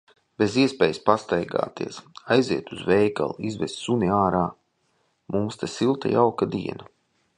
Bez iespējas pastaigāties, aiziet uz veikalu, izvest suni ārā? Mums te silta, jauka diena.